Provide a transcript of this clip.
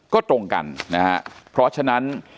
ก็ตรงกันนะฮะเพราะฉะนั้น